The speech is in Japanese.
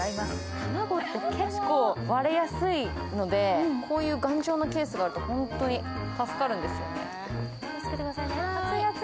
卵って結構、割れやすいのでこういう頑丈なケースがあると、本当に助かるんです。